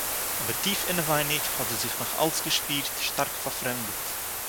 אָבער טיף אינעווייניג האָט זי זיך נאָך אַלץ געשפּירט שטאַרק פאַרפרעמדט